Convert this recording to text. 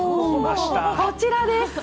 こちらです。